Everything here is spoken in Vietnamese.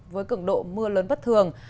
với cường độ mưa lớn bất thường